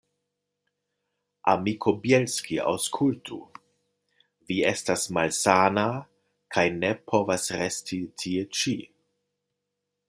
Amiko Bjelski, aŭskultu: vi estas malsana kaj ne povas resti tie ĉi.